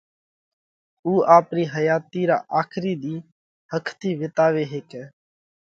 اُو آپرِي حياتِي را آکرِي ۮِي ۿک ٿِي وِيتاوي هيڪئہ۔